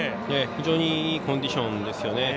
非常にいいコンディションですよね。